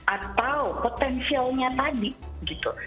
atau potensialnya tadi gitu